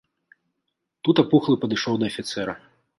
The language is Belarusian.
Тут апухлы падышоў да афіцэра.